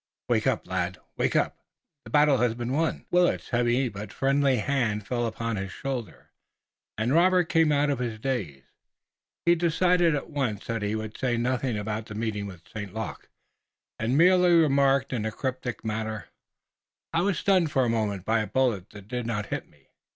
"Wake up, lad! Wake up! The battle has been won!" Willet's heavy but friendly hand fell upon his shoulder, and Robert came out of his daze. He decided at once that he would say nothing about the meeting with St. Luc, and merely remarked in a cryptic manner: "I was stunned for a moment by a bullet that did not hit me.